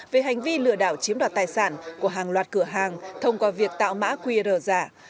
về hành vi lừa đảo chiếm đoạt tài sản của hàng loạt cửa hàng thông qua việc tạo mã qr giả